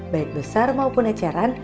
baik besar maupun eceran